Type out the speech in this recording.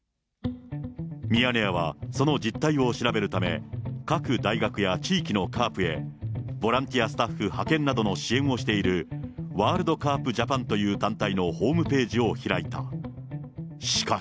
ミヤネ屋は、その実態を調べるため、各大学や地域のＣＡＲＰへ、ボランティアスタッフ派遣などの支援をしているワールド・カープ・ジャパンという団体のホームページを開いた。